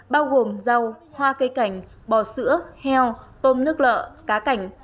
bao gồm rau hoa cây cảnh bò sữa heo tôm nước lợ cá cảnh